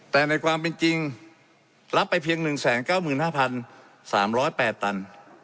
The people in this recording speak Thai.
แต่ในความเป็นจริงรับไปเพียง๑๙๕๓๐๘ตัน